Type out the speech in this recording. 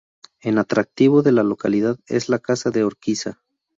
En atractivo de la localidad es la casa de Urquiza.